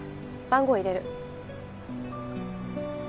番号入れる。